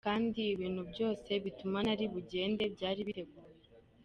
Kandi ibintu byose bituma nari bugende byari biteguye.